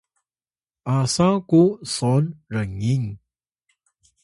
asa ku son rngin